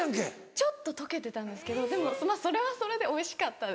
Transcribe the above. ちょっと溶けてたんですけどでもそれはそれでおいしかったです。